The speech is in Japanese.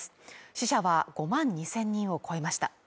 死者は５万２０００人を超えました。